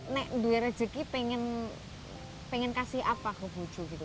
nek dua rezeki pengen kasih apa ke bucu gitu pak